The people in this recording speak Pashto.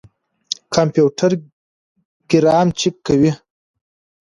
کمپيوټر ګرامر چک کوي.